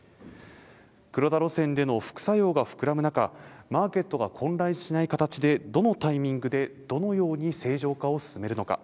黒田路線での副作用が膨らむ中、マーケットが混乱しない形でどのタイミングでどのように正常化を進めるのか。